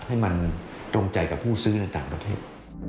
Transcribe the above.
ให้มันตรงใจกับผู้ซื้อในต่างประเทศ